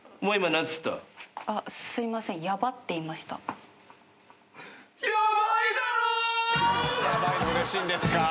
何でヤバいのうれしいんですか。